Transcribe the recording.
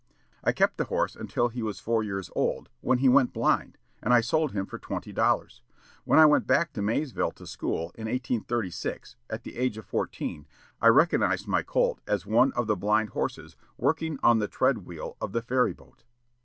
I kept the horse until he was four years old, when he went blind, and I sold him for twenty dollars. When I went to Maysville to school, in 1836, at the age of fourteen, I recognized my colt as one of the blind horses working on the tread wheel of the ferry boat."